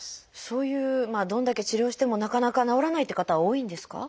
そういうどれだけ治療してもなかなか治らないっていう方は多いんですか？